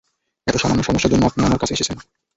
এতো সামান্য সমস্যা জন্য আপনি আমার কাছে আসেছেন?